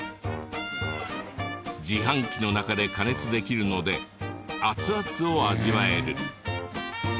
自販機の中で加熱できるのでアツアツを味わえる。